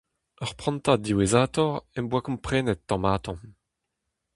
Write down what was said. Ur prantad diwezhatoc'h em boa komprenet tamm-ha-tamm.